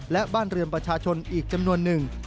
และบ้านเรือนประชาชนอีกจำนวนหนึ่ง